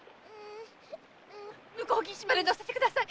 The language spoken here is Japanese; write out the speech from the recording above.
〔向こう岸まで乗せてください。